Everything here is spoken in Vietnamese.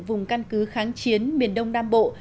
vùng căn cứ kháng chiến miền đông nam bộ